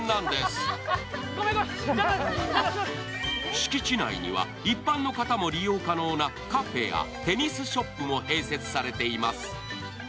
敷地内には一般の方も利用加納なカフェやテニスショップも併設されています。